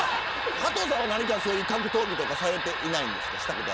加藤さんは何か格闘技とかしていないんですか。